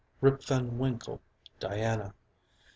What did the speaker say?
Rip Van Winkle. Diana.